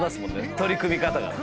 取り組み方が。